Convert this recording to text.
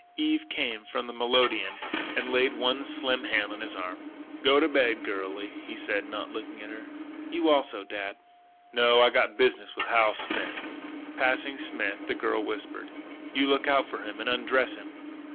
Eve came from the melodeon and laid one slim hand on his arm. "Go to bed, girlie," he said, not looking at her. "You also, dad." "No.... I got business with Hal Smith." Passing Smith, the girl whispered: "You look out for him and undress him."